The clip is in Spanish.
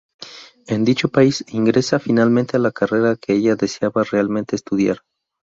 En dicho país, ingresa finalmente a la carrera que ella deseaba realmente estudiar.